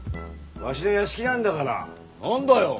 わしの屋敷なんだから何だよ